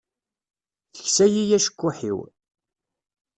Teksa-yi acekkuḥ-iw.